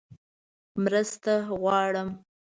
_مرسته غواړم!